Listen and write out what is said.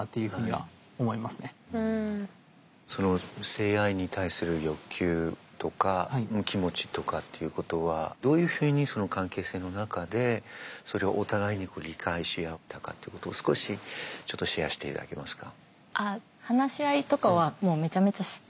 性愛に対する欲求とか気持ちとかっていうことはどういうふうにその関係性の中でそれをお互いに理解し合ったかってことを少しちょっとシェアしていただけますか？